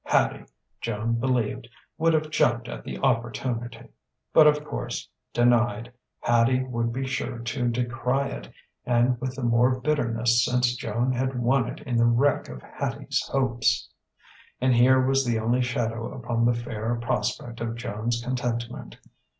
Hattie, Joan believed, would have jumped at the opportunity. But of course, denied, Hattie would be sure to decry it, and with the more bitterness since Joan had won it in the wreck of Hattie's hopes. And here was the only shadow upon the fair prospect of Joan's contentment.